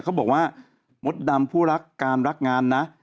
เขาบอกว่ามดดำผู้รักการรักงานนะ